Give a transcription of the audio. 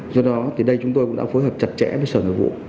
do đó thì đây chúng tôi cũng đã phối hợp chặt chẽ với sở nguyện vụ